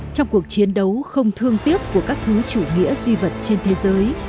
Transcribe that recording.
trong cuộc chiến đấu không thương tiếc của các thứ chủ nghĩa duy vật trên thế giới